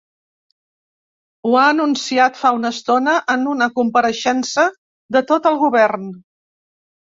Ho ha anunciat fa una estona en una compareixença de tot el govern.